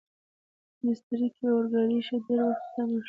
په میسترې کې اورګاډي ښه ډېر وخت تم شول، ډېر انتظار و.